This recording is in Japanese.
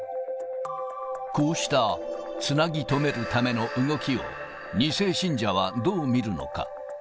こうしたつなぎ止めるための動きを、２世信者はどう見るのか。